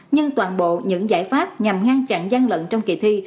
nhưng toàn bộ những giải pháp nhằm ngăn chặn gian lận trong kỳ thi